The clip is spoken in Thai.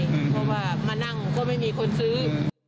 เพราะว่ามานั่งก็ไม่มีคนซื้อ